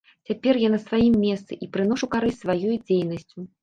Цяпер я на сваім месцы і прыношу карысць сваёй дзейнасцю.